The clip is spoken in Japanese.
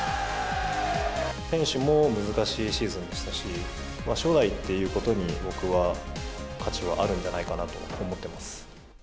選手も難しいシーズンでしたし、初代ということに、僕は価値はあるんじゃないかなと思ってます。